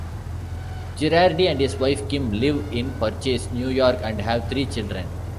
Girardi and his wife Kim live in Purchase, New York, and have three children.